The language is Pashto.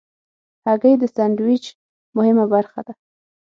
هګۍ د سندویچ مهمه برخه ده.